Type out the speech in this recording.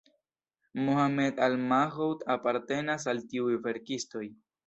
Mohamed Al-Maghout apartenas al tiuj verkistoj.